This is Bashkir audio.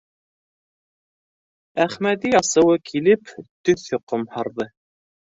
Әхмәҙи асыуы килеп, төҫө ҡомһарҙы: